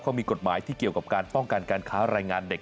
เขามีกฎหมายที่เกี่ยวกับการป้องกันการค้ารายงานเด็ก